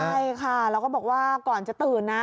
ใช่ค่ะแล้วก็บอกว่าก่อนจะตื่นนะ